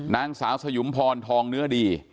นางสาวสยุมพรทองเนื้อดี